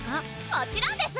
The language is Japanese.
もちろんです！